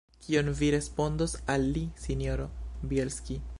Kion vi respondos al li, sinjoro Bjelski?